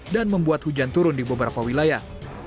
dan membuat hujan turun di beberapa wilayah